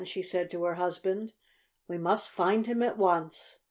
she said to her husband. "We must find him at once!"